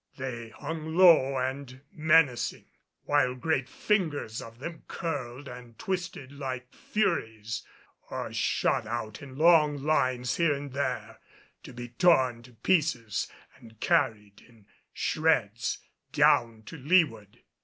They hung low and menacing, while great fingers of them curled and twisted like furies, or shot out in long lines here and there to be torn to pieces and carried in shreds down to leeward.